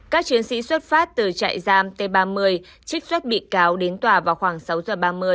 các chiến sĩ xuất phát từ trại giam t ba mươi trích xuất bị cáo đến tòa vào khoảng sáu giờ ba mươi